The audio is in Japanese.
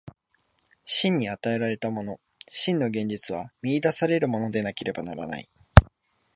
真に与えられたもの、真の現実は見出されるものでなければならない。